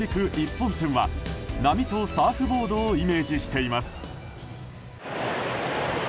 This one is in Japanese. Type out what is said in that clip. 本線は波とサーフボードをイメージしています。